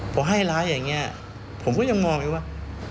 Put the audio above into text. พอให้ร้ายอย่างนี้ผมก็ยังมองอยู่ว่า